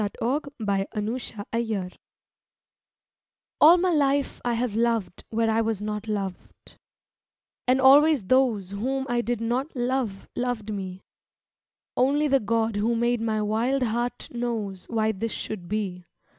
Vigils PERVERSITY All my life I have loved where I was not loved, And always those whom I did not love loved me ; Only the God who made my wild heart knows Why this should be.